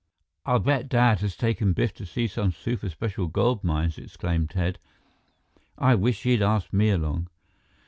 "I'll bet Dad has taken Biff to see some super special gold mines!" exclaimed Ted. "I wish he'd asked me along."